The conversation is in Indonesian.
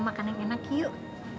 makan yang enak yuk